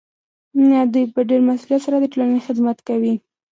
دوی په ډیر مسؤلیت سره د ټولنې خدمت کوي.